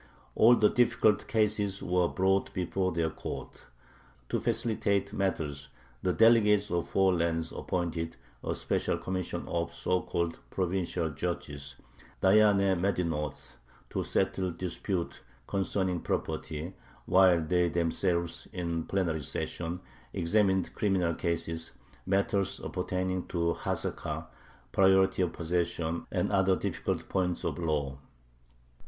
All the difficult cases were brought before their court. To facilitate matters the delegates of the Four Lands appointed [a special commission of] so called "provincial judges" (dayyane medinoth) to settle disputes concerning property, while they themselves [in plenary session] examined criminal cases, matters appertaining to hazaka (priority of possession) and other difficult points of law.